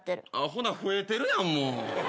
ほな増えてるやんもう。